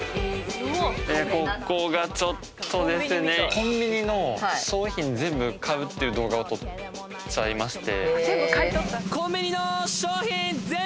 コンビニの商品全部買うっていう動画を撮っちゃいまして。